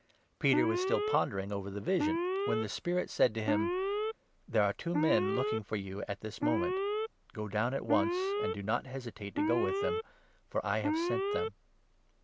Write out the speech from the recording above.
Peter was still pondering 19 over the vision, when the Spirit said to him : "There are two men looking for you at this moment. Go 20 down at once and do not hesitate to go with them, for I have sent them."